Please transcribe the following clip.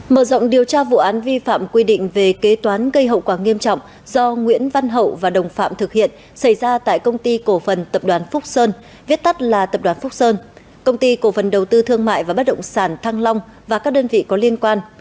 mở rộng điều tra vụ án vi phạm quy định về kế toán gây hậu quả nghiêm trọng do nguyễn văn hậu và đồng phạm thực hiện xảy ra tại công ty cổ phần tập đoàn phúc sơn viết tắt là tập đoàn phúc sơn công ty cổ phần đầu tư thương mại và bất động sản thăng long và các đơn vị có liên quan